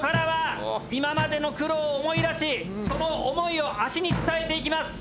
今までの苦労を思い出しその想いを脚に伝えていきます。